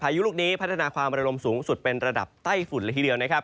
ยุลูกนี้พัฒนาความระลมสูงสุดเป็นระดับใต้ฝุ่นละทีเดียวนะครับ